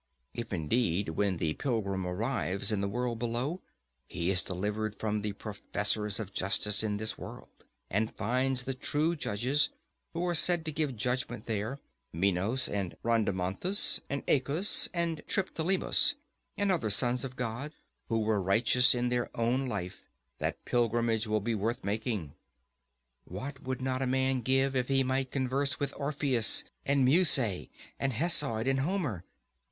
If indeed when the pilgrim arrives in the world below, he is delivered from the professors of justice in this world, and finds the true judges who are said to give judgment there, Minos and Rhadamanthus and Aeacus and Triptolemus, and other sons of God who were righteous in their own life, that pilgrimage will be worth making. What would not a man give if he might converse with Orpheus and Musaeus and Hesiod and Homer?